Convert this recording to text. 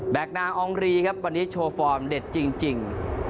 นางอองรีครับวันนี้โชว์ฟอร์มเด็ดจริง